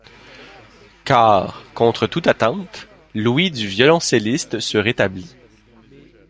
Car, contre toute attente, l'ouïe du violoncelliste se rétablit.